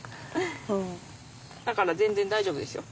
だから全然大丈夫ですよ。